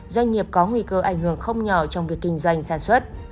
doanh nghiệp có nguy cơ ảnh hưởng không nhỏ trong việc kinh doanh sản xuất